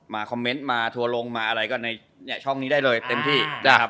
คอมเมนต์มาทัวร์ลงมาอะไรก็ในช่องนี้ได้เลยเต็มที่นะครับ